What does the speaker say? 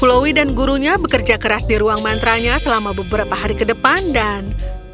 pulaui dan gurunya bekerja keras di ruang mantranya selama beberapa hari ke depan dan